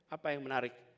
apa yang menarik